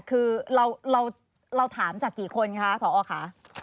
คือเราถามจากกี่คนคะผอค่ะ